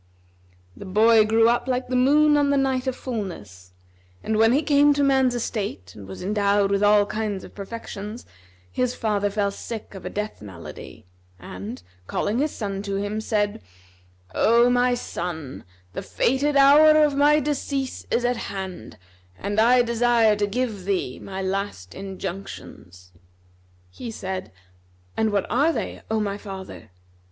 The boy grew up like the moon on the night of fulness; and when he came to man's estate and was endowed with all kinds of perfections, his father fell sick of a death malady and, calling his son to him, said, "O my son, the fated hour of my decease is at hand, and I desire to give thee my last injunctions." He asked, "And what are they, O my father?"